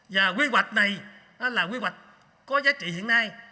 và quy hoạch này là quy hoạch có giá trị hiện nay